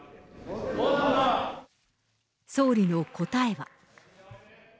総理の答えは。